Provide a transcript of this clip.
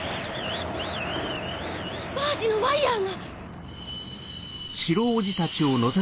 バージのワイヤが！